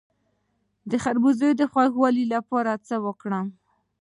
د خربوزو د خوږوالي لپاره څه وکړم؟